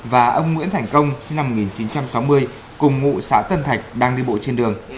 và ông nguyễn thành công sinh năm một nghìn chín trăm sáu mươi cùng ngụ xã tân thạch đang đi bộ trên đường